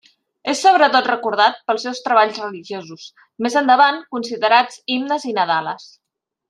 És sobretot recordat pels seus treballs religiosos, més endavant considerats himnes i nadales.